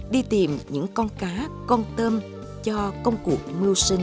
đi tìm những con cá con tôm cho công cuộc mưu sinh